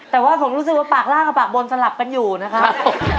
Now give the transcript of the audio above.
แต่ว่าผมรู้สึกว่าปากล่างกับปากบนสลับกันอยู่นะครับ